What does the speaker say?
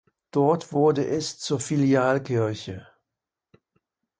Dort wurde es zur Filialkirche.